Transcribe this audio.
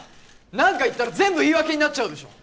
何か言ったら全部言い訳になっちゃうでしょ！